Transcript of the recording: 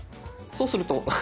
そうすると。